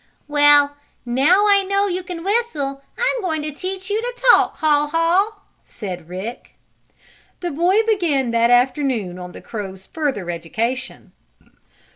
"Well, now I know you can whistle I'm going to teach you to talk, Haw Haw," said Rick. The boy began that very afternoon on the crow's further education.